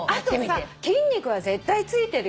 あとさ筋肉は絶対ついてるよね。